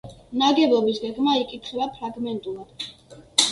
ნაგებობის გეგმა იკითხება ფრაგმენტულად.